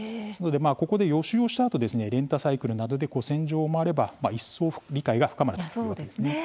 ここで予習をしたあとレンタサイクルなどで古戦場を回れば、一層理解が深まるということですね。